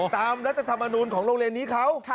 รัฐธรรมนูลของโรงเรียนนี้เขา